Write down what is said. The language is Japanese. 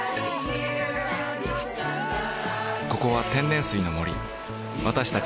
ここは天然水の森私たち